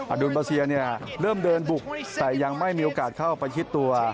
ดุลบาเซียเนี่ยเริ่มเดินบุกแต่ยังไม่มีโอกาสเข้าไปชิดตัว